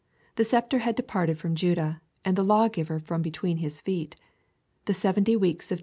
The sceptre had departed from Judah, and the lawgiver from between his feet. The seventy weeks of